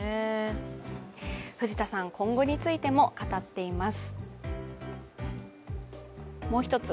藤田さん、今後についても語っています。